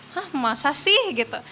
hah masa sih